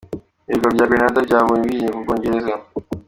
Ibirwa bya Grenada byabonye ubwigenge ku Bwongereza.